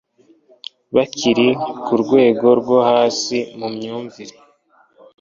bakiri ku rwego rwo hasi mu myumvire